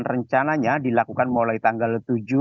rencananya dilakukan mulai tanggal tujuh